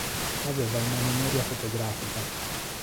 Aveva una memoria fotografica.